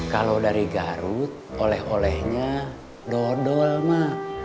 kalau dari garut oleh olehnya dodol mak